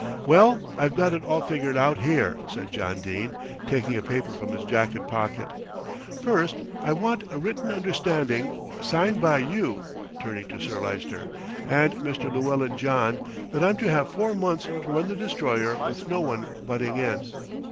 "Well, I've got it all figured out here," said John Dene, taking a paper from his jacket pocket. "First I want a written undertaking, signed by you," turning to Sir Lyster, "and Mr. Llewellyn John that I'm to have four months to run the Destroyer with no one butting in."